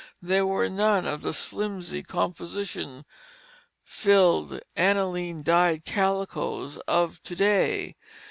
They were none of the slimsy, composition filled, aniline dyed calicoes of to day.